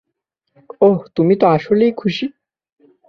ওহ, তুমি তো আসলেই খুশি।